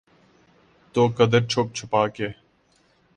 تو قدرے چھپ چھپا کے۔